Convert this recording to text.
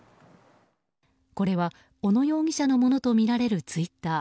これは、小野容疑者のものとみられるツイッター。